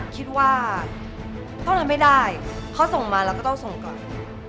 คิดว่าเท่านั้นไม่ได้เขาส่งมาแล้วก็ต้องส่งก่อน